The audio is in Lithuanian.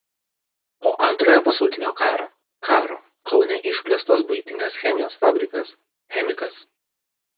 Po Antrojo pasaulinio karo karo Kaune išplėstas buitinės chemijos fabrikas „Chemikas“.